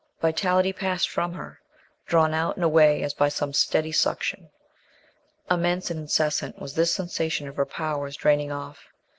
Vitality passed from her, drawn out and away as by some steady suction. Immense and incessant was this sensation of her powers draining off.